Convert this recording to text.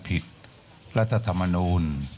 ขอบพระคุณนะครับ